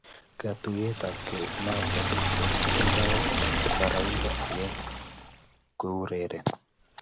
katuyet ab kee inoton kotindo baraindo ageng koureren .